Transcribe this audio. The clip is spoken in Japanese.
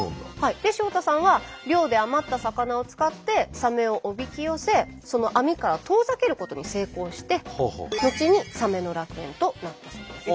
で塩田さんは漁で余った魚を使ってサメをおびき寄せ網から遠ざけることに成功して後にサメの楽園となったそうです。